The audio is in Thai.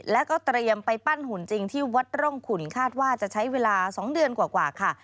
แล้วก็เตรียมไปปั้นหุ่นจริงที่วัดร่องขุนคาดว่าจะใช้เวลา๒เดือนกว่าค่ะ